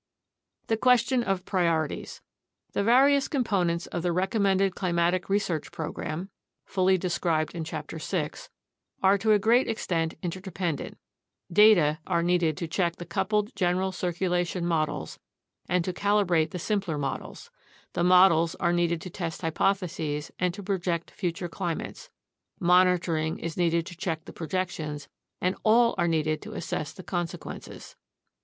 The Question of Priorities The various components of the recommended climatic research program (fully described in Chapter 6) are to a great extent interdependent: data are needed to check the coupled general circulation models and to calibrate the simpler models; the models are needed to test hypotheses and to project future climates; monitoring is needed to check the pro jections; and all are needed to assess the consequences.